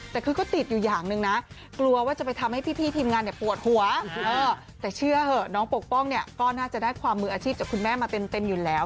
แต่เชื่อเหอะน้องปกป้องเนี่ยก็น่าจะได้ความมืออาชีพจากคุณแม่มาเต็มอยู่แล้ว